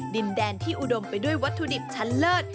ดินแดนที่อุดมไปด้วยวัตถุดิบชั้นเลิศ